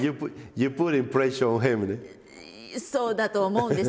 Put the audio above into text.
そうだと思うんです。